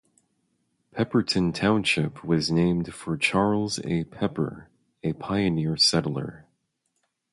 Pepperton Township was named for Charles A. Pepper, a pioneer settler.